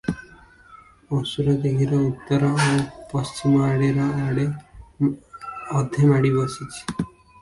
ଅସୁରଦୀଘିର ଉତ୍ତର ଆଉ ପଶ୍ଚିମଆଡ଼ିର ଅଧେ ମାଡ଼ିବସିଅଛି ।